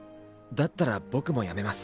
だったら僕もやめます。